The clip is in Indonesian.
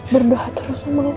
berdoa terus sama allah ya